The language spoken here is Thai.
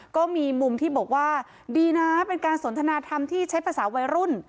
ก็มีมุมที่บอกว่าดีนะเป็นการสนทนาธรรมที่ใช้ภาษาวัยรุ่น